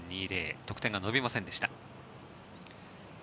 得点が伸びませんでした。